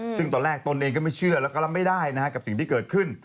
ซึ่งตอนแรกตนเองก็ไม่เชื่อแล้วก็รับไม่ได้นะครับกับสิ่งที่เกิดขึ้น